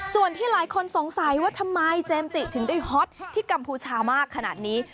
ส่วนที่หลายคนสงสัยว่าทำไมเจมส์จิถึงได้ฮอตที่กัมพูชามากขนาดนี้